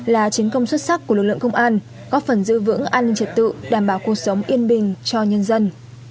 là chiến công xuất sắc của lực lượng công an góp phần giữ vững an ninh trật tự đảm bảo cuộc sống yên bình cho nhân dân